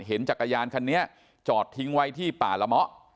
จักรยานคันนี้จอดทิ้งไว้ที่ป่าละเมาะ